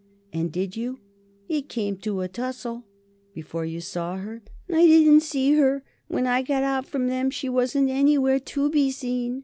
"And did you?" "It came to a tussle." "Before you saw her?" "I didn't see her. When I got out from them she wasn't anywhere to be seen."